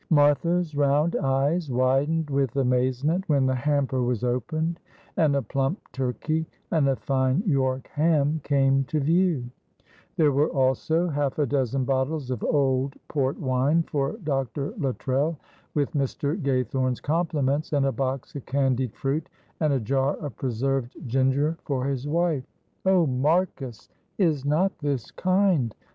Martha's round eyes widened with amazement when the hamper was opened, and a plump turkey, and a fine York ham came to view; there were also half a dozen bottles of old port wine for Dr. Luttrell, with Mr. Gaythorne's compliments, and a box of candied fruit and a jar of preserved ginger for his wife. "Oh, Marcus! is not this kind?"